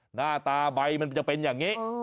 หน้าตาใบมันจะเป็นอย่างนี้